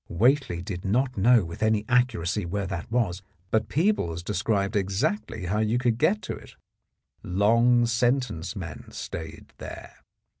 Whately did not know with any accuracy where that was, but Peebles described exactly how you could get to it. Long sentence men stayed there.